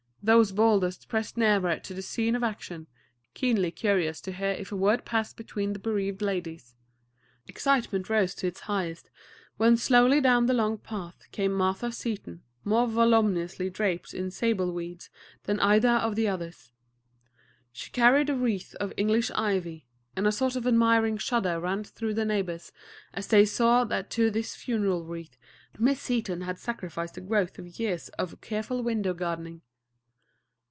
Those boldest pressed nearer to the scene of action, keenly curious to hear if word passed between the bereaved ladies. Excitement rose to its highest when slowly down the long path came Martha Seaton, more voluminously draped in sable weeds than either of the others. She carried a wreath of English ivy, and a sort of admiring shudder ran through the neighbors as they saw that to this funeral wreath Miss Seaton had sacrificed the growth of years of careful window gardening.